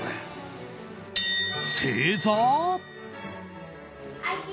正座？